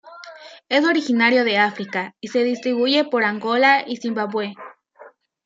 Es originario de África y se distribuyen por Angola y Zimbabue.